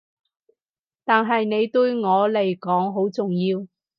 但係你對我嚟講好重要